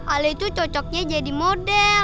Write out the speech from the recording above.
ali tuh cocoknya jadi model